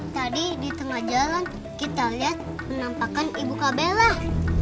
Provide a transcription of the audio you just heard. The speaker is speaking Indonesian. tadi di tengah jalan kita lihat penampakan ibu kabelah